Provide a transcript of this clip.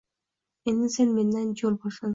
Endi sen mendan jo‘l bo‘lsin